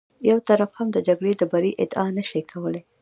یو طرف هم د جګړې د بري ادعا نه شي کولی.